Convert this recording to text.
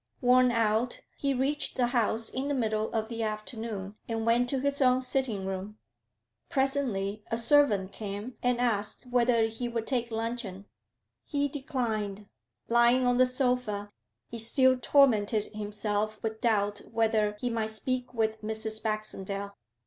Worn out, he reached the house in the middle of the afternoon, and went to his own sitting room. Presently a servant came and asked whether he would take luncheon. He declined. Lying on the sofa, he still tormented himself with doubt whether he might speak with Mrs. Baxendale.